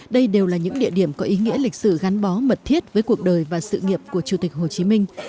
đây đều là những địa điểm có ý nghĩa lịch sử gắn bó mật thiết với cuộc đời và sự nghiệp của chủ tịch hồ chí minh